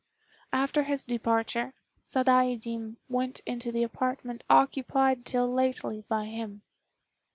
After his departure, Sadaijin went into the apartment occupied till lately by him.